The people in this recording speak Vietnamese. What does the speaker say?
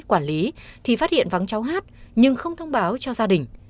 quản lý thì phát hiện vắng cháu hát nhưng không thông báo cho gia đình